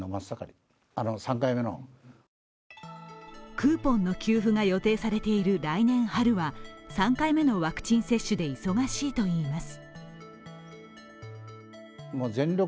クーポンの給付が予定されている来年春は３回目のワクチン接種で忙しいといいます。